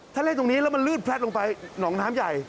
ถ้าเล่นตรงนี้แล้วมันลืดแพลัดลงไปหนองน้ำใหญ่